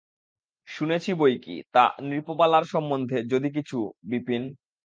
শুনেছি বৈকি– তা নৃপবালার সম্বন্ধে যদি কিছু– বিপিন।